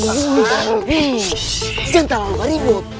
jangan tak lupa ribut